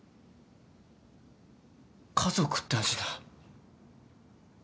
家族って味だ。